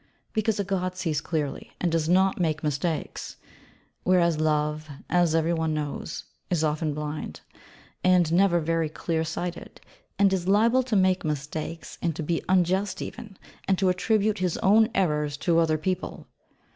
Because a god sees clearly, and does not make mistakes: whereas Love, as every one knows, is often blind, and never very clear sighted; and is liable to make mistakes, and to be unjust even: and to attribute his own errors to other people.